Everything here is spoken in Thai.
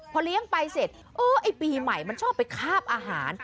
พอเลี้ยงไปเสร็จเออไอ้ปีใหม่มันชอบไปคาบอาหาร